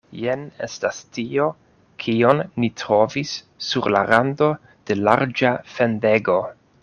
Jen estas tio, kion ni trovis sur la rando de larĝa fendego.